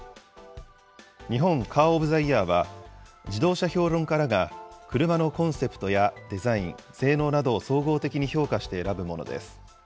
日本カー・オブ・ザ・イヤーは、自動車評論家らが車のコンセプトやデザイン、性能などを総合的に評価して選ぶものです。